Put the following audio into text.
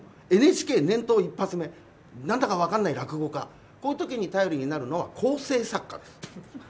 でもＮＨＫ、念頭一発目なんだか分かんない落語家こういうときに頼りになるのは構成作家です。